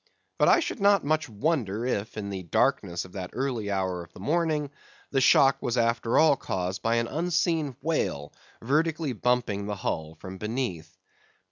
But I should not much wonder if, in the darkness of that early hour of the morning, the shock was after all caused by an unseen whale vertically bumping the hull from beneath.